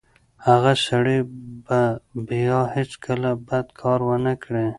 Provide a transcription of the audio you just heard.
هغه سړی به بیا هیڅکله بد کار ونه کړي.